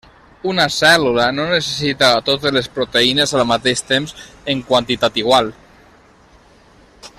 Una cèl·lula no necessita totes les proteïnes al mateix temps en quantitat igual.